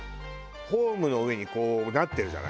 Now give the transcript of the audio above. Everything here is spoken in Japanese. ホームの上にこうなってるじゃない？